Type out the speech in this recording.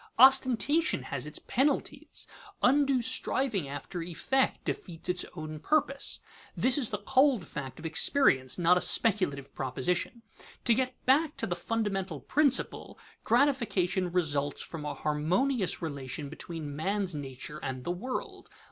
Ostentation has its penalties. Undue striving after effect defeats its own purpose. This is the cold fact of experience, not a speculative proposition. To get back to the fundamental principle: gratification results from a harmonious relation between man's nature and the world.